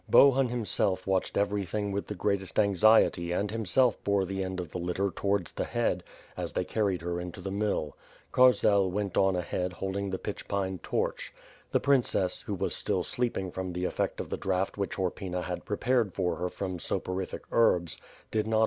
Bohun, himself, watched everything with the greatest anxiety and himself bore the end of the litter to wards the head, as they carried her into the mill. Karzel went on ahead holding the pitch pine torch. The princess, who was still sleeping from the effect of the draught which Horpyna had prepared for her from soporific herlS, did not WITH FIRE AND 8W0Rt>.